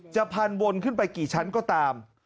พันวนขึ้นไปกี่ชั้นก็ตาม